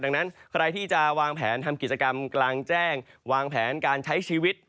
ดังนั้นใครที่จะวางแผนทำกิจกรรมกลางแจ้งวางแผนการใช้ชีวิต